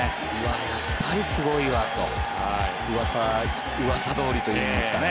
やっぱり、すごいわとうわさどおりといいますか。